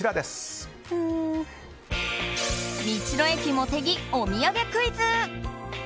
道の駅もてぎ、お土産クイズ。